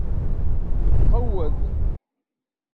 Qewwed!